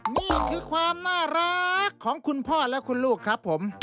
นี่คือความน่ารักของคุณพ่อและคุณลูกครับผม